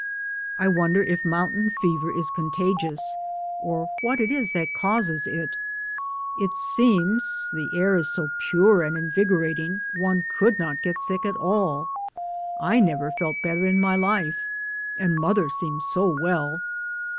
I wonder if mountain fever is contagious, or what it is that causes it? It seems the air is so pure and invigorating one could not get sick at all. I never felt better in my life, and mother seems so well.